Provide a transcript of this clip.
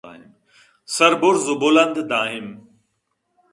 سر بُرز ءُ بُلند دائم